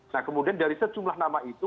nah kemudian dari sejumlah nama itu